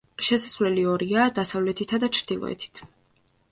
შესასვლელი ორია: დასავლეთითა და ჩრდილოეთით.